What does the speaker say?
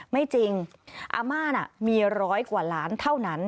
ไม่จริงอาม่าน่ะมีร้อยกว่าล้านเท่านั้น